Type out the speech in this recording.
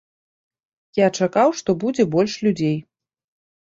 Я чакаў, што будзе больш людзей.